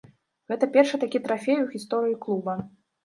Гэта першы такі трафей у гісторыі клуба.